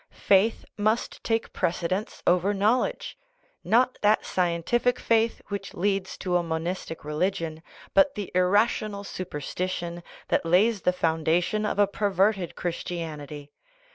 Faith must take precedence over knowl edge not that scientific faith which leads to a monistic religion, but the irrational superstition that lays the foundation of a perverted Christianity.